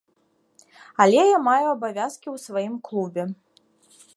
Але я маю абавязкі ў сваім клубе.